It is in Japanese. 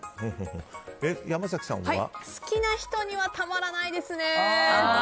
好きな人にはたまらないですね。